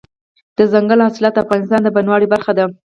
دځنګل حاصلات د افغانستان د بڼوالۍ برخه ده.